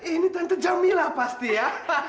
ini tentu jamila pasti ya